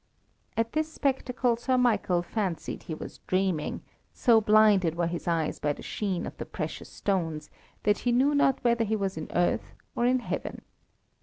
At this spectacle Sir Michael fancied he was dreaming, so blinded were his eyes by the sheen of the precious stones, that he knew not whether he was in earth or heaven.